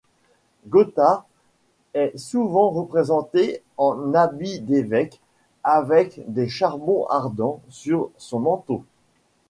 Gothard est souvent représenté en habit d'évêque avec des charbons ardents sur son manteau.